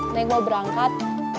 naik mau berangkat